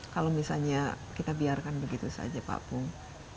kalau misalnya kita biarkan begitu saja pak pung